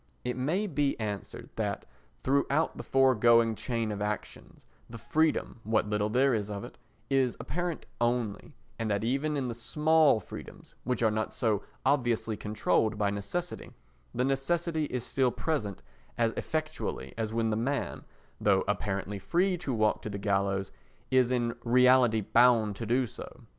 It may be answered that throughout the foregoing chain of actions, the freedom, what little there is of it, is apparent only, and that even in the small freedoms, which are not so obviously controlled by necessity, the necessity is still present as effectually as when the man, though apparently free to walk to the gallows, is in reality bound to do so.